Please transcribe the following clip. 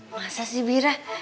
masa sih bira